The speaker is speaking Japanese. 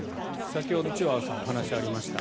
先ほどチワワさんのお話にありました。